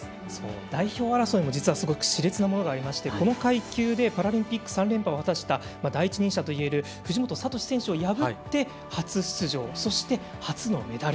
代表争いもしれつなものがありましてこの階級でパラリンピック３連覇を果たした第一人者といえる藤本聰選手を破って初出場、そして初のメダル。